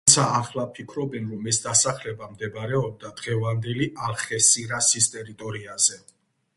თუმცა ახლა ფიქრობენ, რომ ეს დასახლება მდებარეობდა დღევანდელი ალხესირასის ტერიტორიაზე.